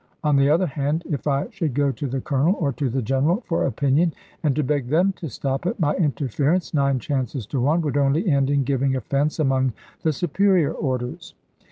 On the other hand, if I should go to the Colonel, or to the General, for opinion, and to beg them to stop it, my interference nine chances to one would only end in giving offence among the superior orders.